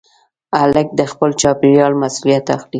هلک د خپل چاپېریال مسؤلیت اخلي.